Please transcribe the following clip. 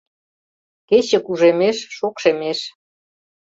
Кече кужемеш, шокшемеш.